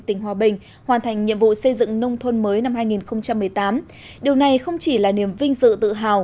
tỉnh hòa bình hoàn thành nhiệm vụ xây dựng nông thôn mới năm hai nghìn một mươi tám điều này không chỉ là niềm vinh dự tự hào